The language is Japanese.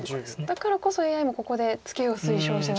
だからこそＡＩもここでツケを推奨してたんですか。